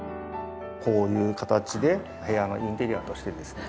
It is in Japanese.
こういう形で部屋のインテリアとしてですね